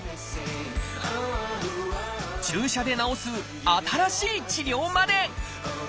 注射で治す新しい治療まで。